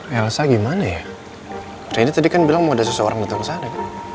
elsa gimana ya reni tadi kan bilang mau ada seseorang datang ke sana